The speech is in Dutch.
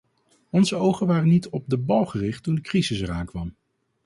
Onze ogen waren niet op de bal gericht toen de crisis eraan kwam.